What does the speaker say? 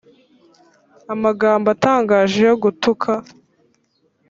amagambo atangaje yo gutuka